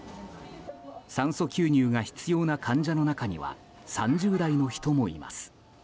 酸素吸入が必要な患者の中には３０代の人もいます。